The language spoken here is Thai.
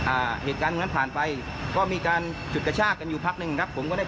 อ่าเหตุการณ์นั้นผ่านไปก็มีการจุดกระชากกันอยู่พักหนึ่งครับผมก็ได้